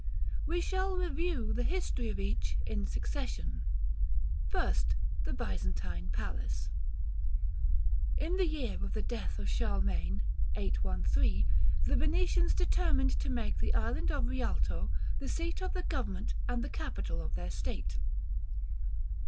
We shall review the history of each in succession. 1st. The BYZANTINE PALACE. In the year of the death of Charlemagne, 813, the Venetians determined to make the island of Rialto the seat of the government and capital of their state.